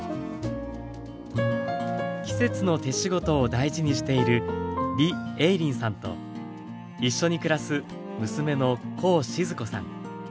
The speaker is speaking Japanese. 季節の手仕事を大事にしている李映林さんと一緒に暮らす娘のコウ静子さん。